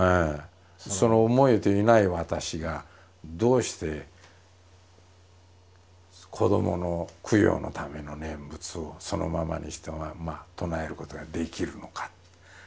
その思えていない私がどうして子どもの供養のための念仏をそのままにしたまんま唱えることができるのか。